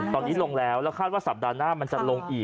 ตอนนี้ลงแล้วแล้วคาดว่าสัปดาห์หน้ามันจะลงอีก